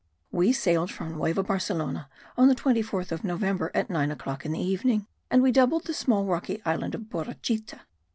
We sailed from Nueva Barcelona on the 24th of November at nine o'clock in the evening; and we doubled the small rocky island of Borachita.